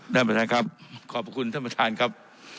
ท่านประธานครับขอบคุณท่านประธานครับ